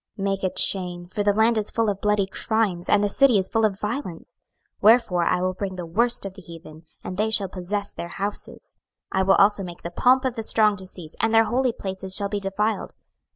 26:007:023 Make a chain: for the land is full of bloody crimes, and the city is full of violence. 26:007:024 Wherefore I will bring the worst of the heathen, and they shall possess their houses: I will also make the pomp of the strong to cease; and their holy places shall be defiled.